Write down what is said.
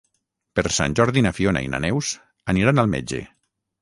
Per Sant Jordi na Fiona i na Neus aniran al metge.